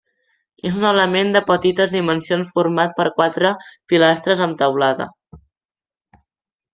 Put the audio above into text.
És un element de petites dimensions format per quatre pilastres amb teulada.